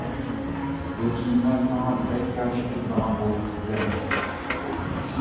-بۇ كىيىملەر ساڭا بەك يارىشىپ كېتىدىغان بولدى قىزىم.